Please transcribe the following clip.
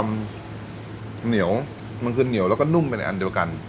เซ่นมันมีความเหนียว